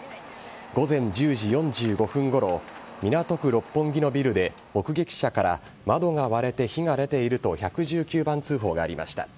午前１０時４５分ごろ港区六本木のビルで、目撃者から窓が割れて火が出ていると１１９番通報がありました。